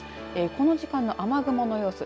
この時間の雨雲の様子